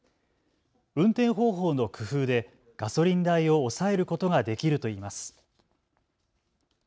運転方法の工夫でガソリン代を抑えることができるといいます。